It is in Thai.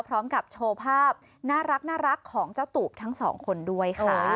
พร้อมกับโชว์ภาพน่ารักของเจ้าตูบทั้งสองคนด้วยค่ะ